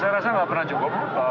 saya rasa nggak pernah cukup